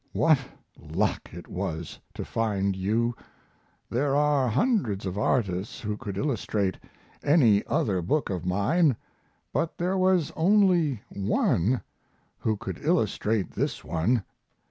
What luck it was to find you! There are hundreds of artists who could illustrate any other book of mine, but there was only one who could illustrate this one.